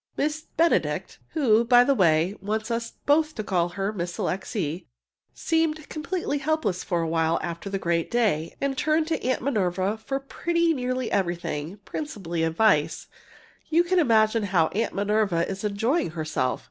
Miss Benedict (who, by the way, wants us both to call her Miss Alixe) seemed completely helpless for a while after the "great day," and turned to Aunt Minerva for pretty nearly everything, principally advice! You can imagine how Aunt Minerva is enjoying herself!